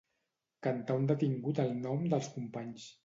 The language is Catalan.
Cantar un detingut el nom dels companys.